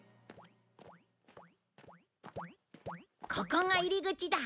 ここが入り口だ。